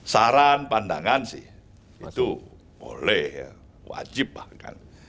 saran pandangan sih itu boleh ya wajib bahkan